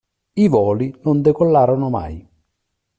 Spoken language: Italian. I voli non decollarono mai.